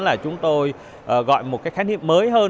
là chúng tôi gọi một cái khán hiệp mới hơn